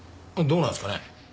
どうなんですかね？